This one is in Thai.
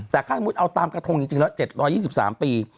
แต่ถ้าถามตามกระทงจริงแล้ว๗๒๓ปี